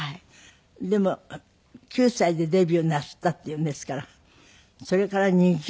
でも９歳でデビューなすったっていうんですからそれから２０年って随分長いわね。